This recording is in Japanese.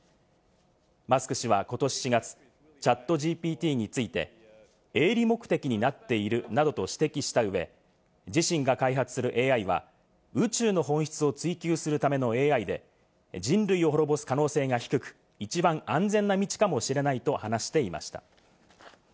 マスク氏はことし４月、ＣｈａｔＧＰＴについて、営利目的になっているなどと指摘したうえ、自身が開発するＡＩは宇宙の本質を追求するためのＡＩで、人類を滅ぼす可能性が低く、一番安全な道かもしれないと話していました。